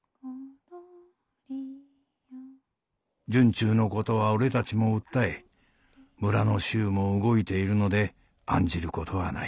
「惇忠のことは俺たちも訴え村の衆も動いているので案じることはない。